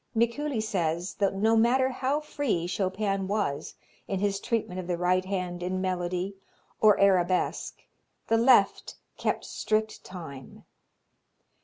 Mikuli says that no matter how free Chopin was in his treatment of the right hand in melody or arabesque, the left kept strict time.